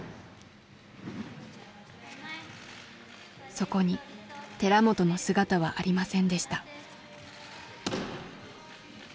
そこに寺本の姿はありませんでした。